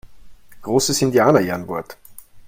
Großes Indianerehrenwort!